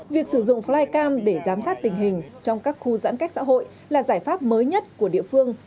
việc sử dụng flycam để giám sát tình hình trong các khu giãn cách xã hội là giải pháp mới nhất của địa phương